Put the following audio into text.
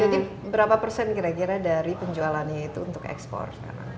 jadi berapa persen kira kira dari penjualannya itu untuk ekspor